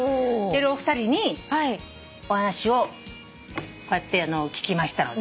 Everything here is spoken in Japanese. お二人にお話をこうやって聞きました。